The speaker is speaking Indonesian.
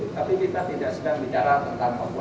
tapi kita tidak senang bicara tentang hukum